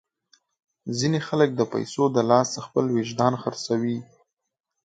ځینې خلک د پیسو د لاسه خپل وجدان خرڅوي.